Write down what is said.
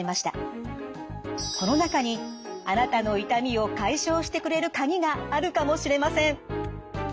この中にあなたの痛みを解消してくれる鍵があるかもしれません。